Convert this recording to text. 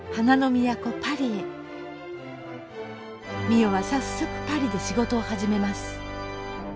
美世は早速パリで仕事を始めます。